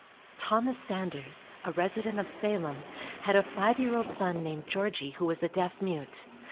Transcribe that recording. Thomas Sanders, a resident of Salem, had a five year old son named Georgie who was a deaf mute.